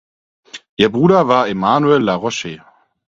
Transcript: Ihr Bruder war Emanuel La Roche.